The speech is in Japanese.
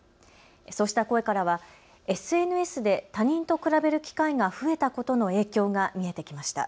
そうした声からはＳＮＳで他人と比べる機会が増えたことの影響が見えてきました。